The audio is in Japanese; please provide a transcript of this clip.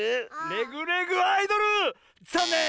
「レグ・レグ・アイドル」ざんねん！